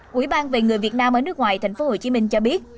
quỹ ban về người việt nam ở nước ngoài tp hcm cho biết